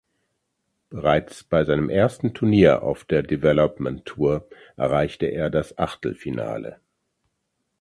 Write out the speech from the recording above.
Bereits bei seinem ersten Turnier auf der Development Tour erreichte er das Achtelfinale.